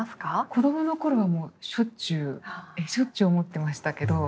子供の頃はもうしょっちゅうしょっちゅう思ってましたけど。